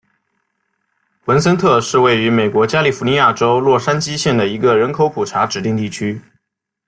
文森特是位于美国加利福尼亚州洛杉矶县的一个人口普查指定地区。